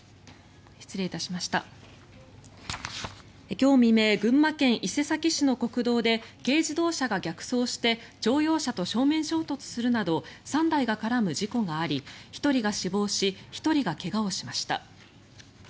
今日未明群馬県伊勢崎市の国道で軽自動車が逆走して乗用車と正面衝突するなど３台が絡む事故があり１人が死亡し１人が怪我をしました。